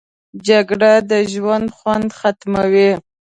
جګړه د ژوند خوند ختموي